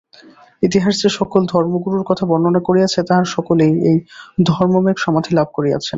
ইতিহাস যে-সকল ধর্মগুরুর কথা বর্ণনা করিয়াছে, তাঁহারা সকলেই এই ধর্মমেঘ-সমাধি লাভ করিয়াছিলেন।